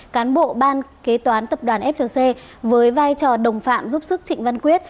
cán bộ ban kế toán tập đoàn flc với vai trò đồng phạm giúp sức trịnh văn quyết